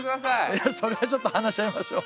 いやそれはちょっと話し合いましょう。